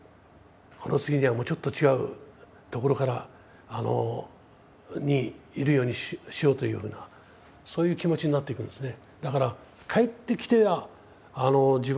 この次にはもうちょっと違うところにいるようにしようというようなそういう気持ちになっていくんですね。